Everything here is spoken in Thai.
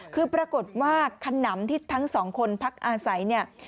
คือปรากฏว่าขนำที่ทั้งสองคนพักอาศัยเนี่ย